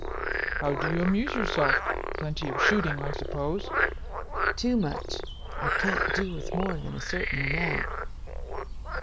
"How do you amuse yourself? Plenty of shooting, I suppose?" "Too much. I can't do with more than a certain amount."